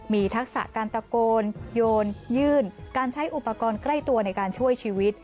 มีทักษะการตะโกนโยนยื่นการใช้อุปกรณ์ใกล้ตัวในการช่วยชีวิต